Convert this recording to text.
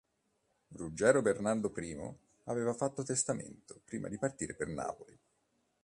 Ruggero Bernardo I aveva fatto testamento prima di partire per Napoli.